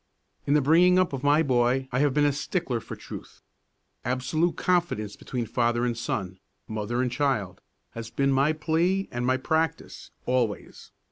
In the bringing up of my boy I have been a stickler for truth. Absolute confidence between father and son, mother and child, has been my plea and my practice, always.